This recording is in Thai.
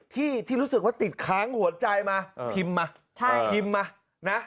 ที่รู้สึกว่าติดค้างหัวใจมาพิมมาพิมมานะ